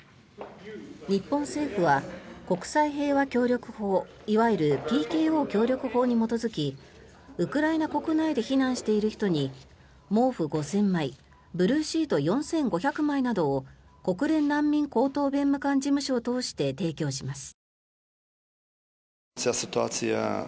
日本政府は国際平和協力法いわゆるＰＫＯ協力法に基づきウクライナ国内で避難している人に毛布５０００枚ブルーシート４５００枚などを国連難民高等弁務官事務所を通して提供します。